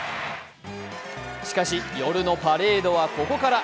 しかし、夜のパレードはここから。